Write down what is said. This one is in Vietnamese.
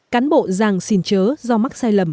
cán bộ giàng xin chớ do mắc sai lầm